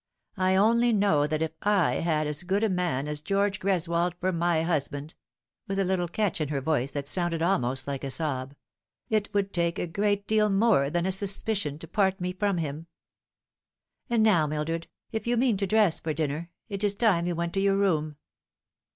I only know that if / had as good a man as George Greswold for my hus band " with a little catch in her voice that sounded almost like a sob " it would take a great deal more than a suspicion to part me from him. And now, Mildred, if you mean to dress for dinner, it is time you went to your room."